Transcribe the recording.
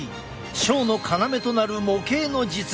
ショーの要となる模型の実現。